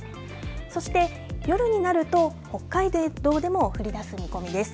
そして、夜になると北海道でも降りだす見込みです。